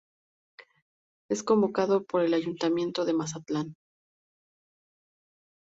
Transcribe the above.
Es convocado por el ayuntamiento de Mazatlán.